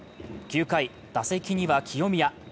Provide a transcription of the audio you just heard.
９回、打席には清宮。